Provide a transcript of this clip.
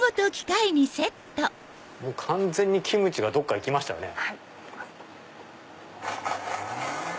完全にキムチがどっか行きましたよね。